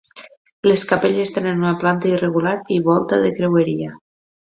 Les capelles tenen una planta irregular i volta de creueria.